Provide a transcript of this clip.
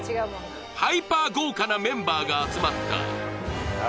ハイパー豪華なメンバーが集まった。